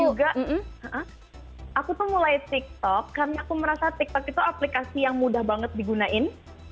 dan juga aku tuh mulai tiktok karena aku merasa tiktok itu aplikasi yang mudah banget digunain